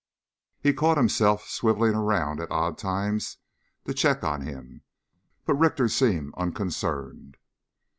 He caught himself swiveling around at odd times to check on him, but Richter seemed unconcerned.